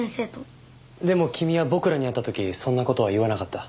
でも君は僕らに会った時そんな事は言わなかった。